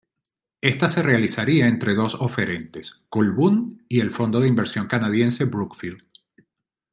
Esta se realizaría entre dos oferentes, Colbún y el fondo de inversión canadiense Brookfield.